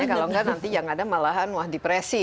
kalau enggak nanti yang ada malahan wah depresi